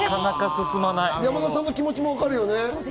山田さんの気持ちもわかるよね。